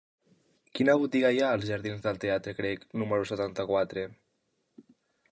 Quina botiga hi ha als jardins del Teatre Grec número setanta-quatre?